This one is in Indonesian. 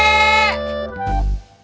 kayak panduan suara